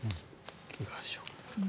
いかがでしょう。